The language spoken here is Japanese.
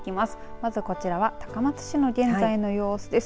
まず、こちらは高松市の現在の様子です。